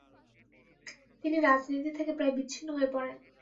তিনি রাজনীতি থেকে প্রায় বিচ্ছিন্ন হয়ে পড়েন।